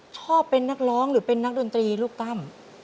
ชอบเป็นนักร้องหรือเป็นนักดนตรีลูกตั้ม